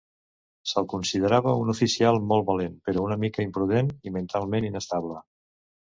Se'l considerava un oficial molt valent, però una mica imprudent i mentalment inestable.